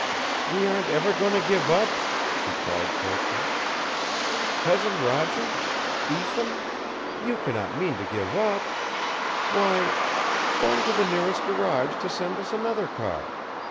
"We aren't ever going to give up?" she cried protest. "Cousin Roger? Ethan? You cannot mean to give up. Why 'phone to the nearest garage to send us another car.